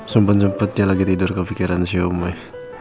sempet sempetnya lagi tidur kepikiran si omay